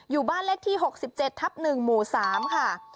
อยู่บ้านเลขที่๖๗ทับ๑หมู่๓ค่ะ